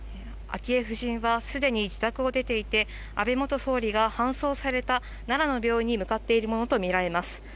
昭恵夫人はすでに自宅を出ていて、安倍元総理が搬送された奈良の病院に向かっているものと見られます。